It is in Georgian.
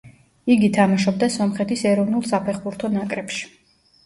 იგი თამაშობდა სომხეთის ეროვნულ საფეხბურთო ნაკრებში.